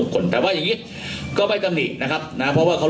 คนแต่ว่าอย่างนี้ก็ไม่ตามนี้นะครับนะครับเพราะว่าทุกคน